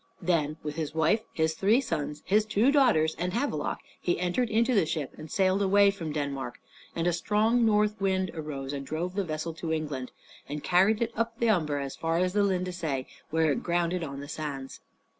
Then with his wife, his three sons, his two daughters, and Havelok, he entered into the ship and sailed away from Denmark; and a strong north wind arose and drove the vessel to England, and carried it up the Humber so far as Lindesay, where it grounded on the sands.